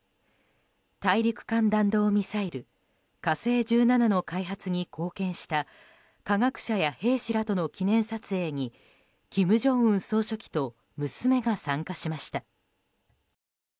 大陸間弾道ミサイル「火星１７」の開発に貢献した科学者や兵士らとの記念撮影に金正恩総書記と娘が参加しました。